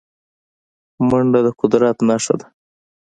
منډه د قدرت نښه ده